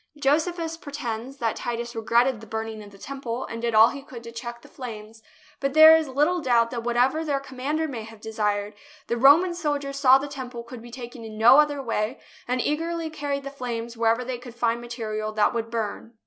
Josephus pretends that Titus regretted the burning of the Temple and did all he could to check the flames, but there is little doubt that whatever their commander may have desired, the Roman soldiers saw the Temple could be taken in no other way, and eagerly carried the flames wherever they could find material that would burn.